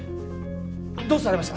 どうされました？